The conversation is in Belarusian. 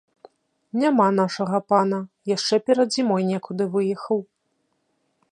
Няма нашага пана, яшчэ перад зімой некуды выехаў.